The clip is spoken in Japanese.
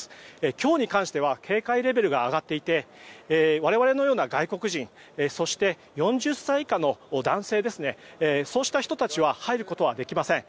今日に関しては警戒レベルが上がっていて我々のような外国人そして４０歳以下の男性そうした人たちは入ることはできません。